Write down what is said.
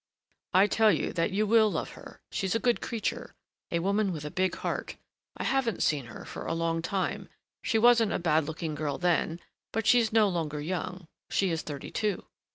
"I tell you that you will love her: she's a good creature, a woman with a big heart; I haven't seen her for a long time, she wasn't a bad looking girl then; but she is no longer young, she is thirty two.